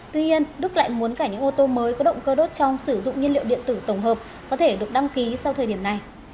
tuy nhiên đức lại muốn cả những ô tô mới có động cơ đốt trong sử dụng nhiên liệu điện tử tổng hợp có thể được đăng ký sau thời điểm này